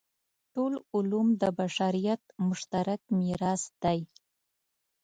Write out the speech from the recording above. ټول علوم د بشریت مشترک میراث دی.